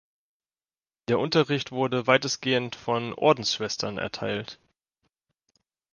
Der Unterricht wurde weitestgehend von Ordensschwestern erteilt.